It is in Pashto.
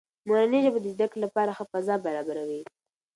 مورنۍ ژبه د زده کړې لپاره ښه فضا برابروي.